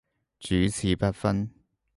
主次不分